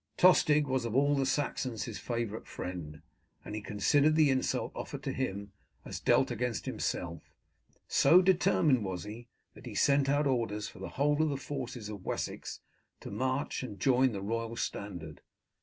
Tostig was of all the Saxons his favourite friend, and he considered the insult offered to him as dealt against himself. So determined was he, that he sent out orders for the whole of the forces of Wessex to march and join the royal standard.